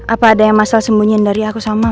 apa ada yang masal sembunyian dari aku sama mama